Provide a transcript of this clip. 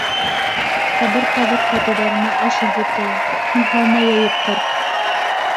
- Ҡәбер ҡаҙып ҡайтыуҙарына аш өлгөртәйем, һин һалма йәйеп ҡырҡ.